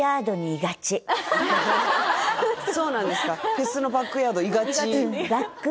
フェスのバックヤード居がち？